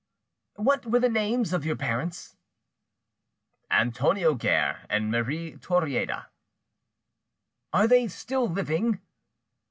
"What were the names of your parents?" "Antonio Guerre and Marie Toreada." "Are they still living?"